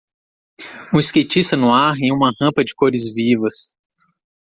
Um skatista no ar em uma rampa de cores vivas.